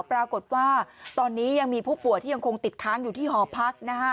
ปรากฏว่าตอนนี้ยังมีผู้ป่วยที่ยังคงติดค้างอยู่ที่หอพักนะฮะ